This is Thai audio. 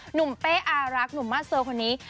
เป้อารักหนุ่มมาสเซอร์คนนี้